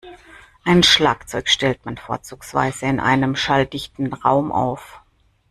Ein Schlagzeug stellt man vorzugsweise in einem schalldichten Raum auf.